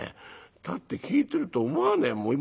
だって聞いてると思わねえもん。